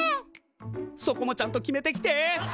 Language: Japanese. そこもちゃんと決めてきて！